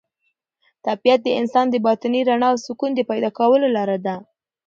طبیعت د انسان د باطني رڼا او سکون د پیدا کولو لاره ده.